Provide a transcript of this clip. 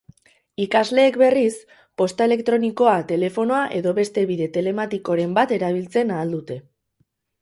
Ikasleek, berriz, posta elektronikoa, telefonoa edo beste bide telematikoren bat erabiltzen ahal dute.